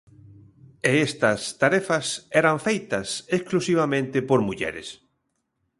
E estas tarefas eran feitas exclusivamente por mulleres.